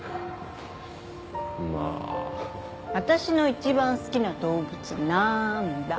まあ私の一番好きな動物なーんだ？